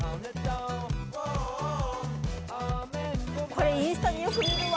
これインスタでよく見るわ。